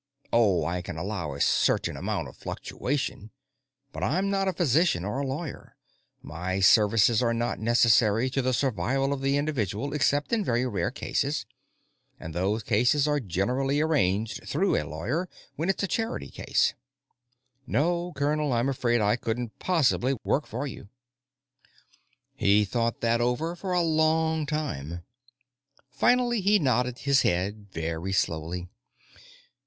Oh, I can allow a certain amount of fluctuation, but I'm not a physician or a lawyer; my services are not necessary to the survival of the individual, except in very rare cases, and those cases are generally arranged through a lawyer when it's a charity case. "No, colonel, I'm afraid I couldn't possibly work for you." He thought that over for a long time. Finally, he nodded his head very slowly.